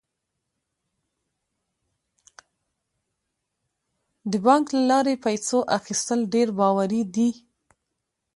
د بانک له لارې د پیسو اخیستل ډیر باوري دي.